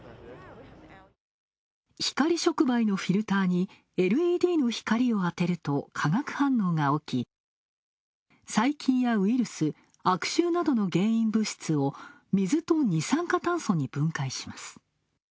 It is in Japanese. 光触媒のフィルターにＬＥＤの光を当てると化学反応が起き、細菌やウイルス、悪臭などの原因物質を水と二酸化炭素に分解します。